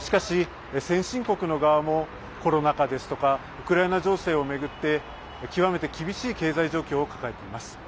しかし、先進国の側もコロナ禍ですとかウクライナ情勢を巡って極めて厳しい経済状況を抱えています。